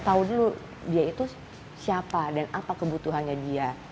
tahu dulu dia itu siapa dan apa kebutuhannya dia